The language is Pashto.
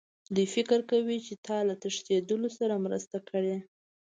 دوی فکر کوي چې تا له تښتېدلو سره مرسته کړې